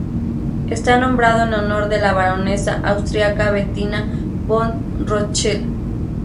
Está nombrado en honor de la baronesa austriaca Bettina von Rothschild.